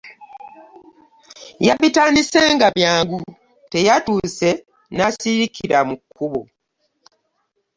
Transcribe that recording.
Yabitandise nga byangu , teyatuuse n'asiikirira mu kkubo .